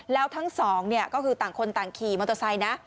แล้วทั้งสองเนี่ยก็คือต่างคนต่างขี่มอเตอร์ไซค์นะ